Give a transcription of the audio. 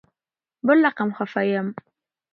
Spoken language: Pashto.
بل رقم خفه یم